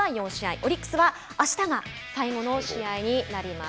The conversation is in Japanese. オリックスはあしたが最後の試合になります。